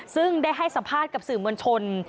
ซึ่งได้ให้สัมภาษณ์กับสื่อมวลชน